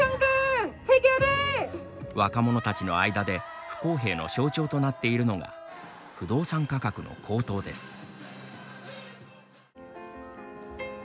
若者たちの間で不公平の象徴となっているのが不動産価格の高騰です。